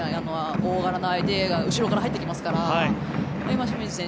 大柄な相手が後ろから入ってきますから今の清水選手